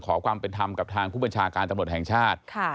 ขอความเป็นธรรมกับทางผู้บัญชาการตำรวจแห่งชาติ